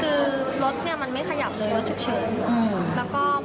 คือรถเนี่ยไม่ขยับเลยว่าโจรเฉิด